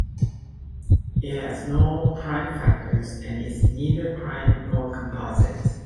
It has no prime factors and is neither prime nor composite.